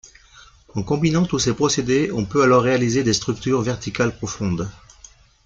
En combinant tous ces procédés, on peut alors réaliser des structures verticales profondes.